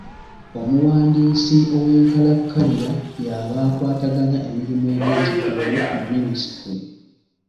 Omuwandiisi ow’enkalakkalira y’aba akwataganya emirimu egy’ekikugu mu minisitule.